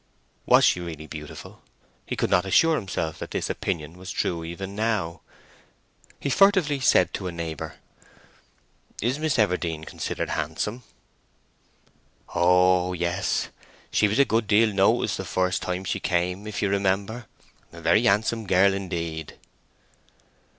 Was she really beautiful? He could not assure himself that his opinion was true even now. He furtively said to a neighbour, "Is Miss Everdene considered handsome?" "Oh yes; she was a good deal noticed the first time she came, if you remember. A very handsome girl indeed."